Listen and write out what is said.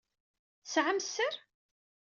Tesɛam sser?